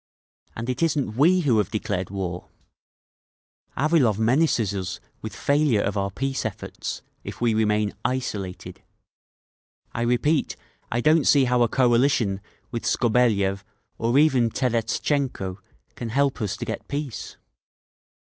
And it isn't we who have declared war…. "Avilov menaces us with failure of our peace efforts—if we remain 'isolated.' I repeat, I don't see how a coalition with Skobeliev, or even Terestchenko, can help us to get peace!